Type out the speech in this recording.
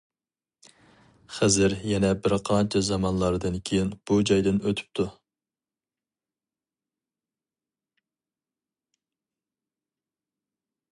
خىزىر يەنە بىر قانچە زامانلاردىن كېيىن بۇ جايدىن ئۆتۈپتۇ.